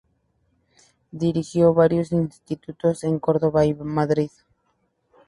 Dirigió varios institutos en Córdoba y Madrid.